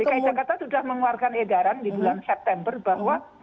dki jakarta sudah mengeluarkan edaran di bulan september bahwa